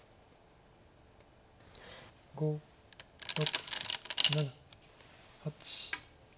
５６７８。